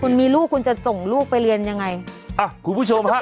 คุณมีลูกคุณจะส่งลูกไปเรียนยังไงอ่ะคุณผู้ชมฮะ